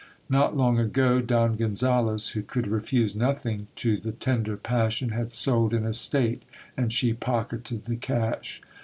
Not long before, Don Gonzales, who could refuse nothing to the tender passion, had sold an estate ; and she pocketed the cash.